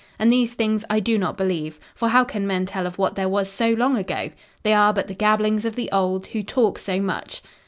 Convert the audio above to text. And these things I do not believe, for how can men tell of what there was so long ago? They are but the gabblings of the old, who talk so much."